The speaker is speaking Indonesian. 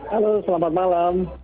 halo selamat malam